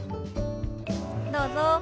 どうぞ。